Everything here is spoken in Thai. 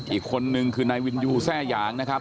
อีกคนนึงคือนายวินยูแทร่หยางนะครับ